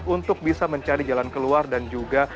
untuk bisa mencari jalan keluar dan juga